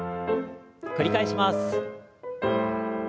繰り返します。